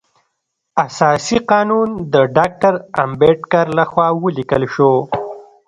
اساسي قانون د ډاکټر امبیډکر لخوا ولیکل شو.